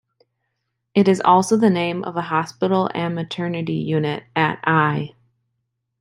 It is also the name of a hospital and maternity unit at Eye.